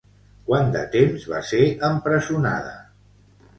Quant de temps va ser empresonada?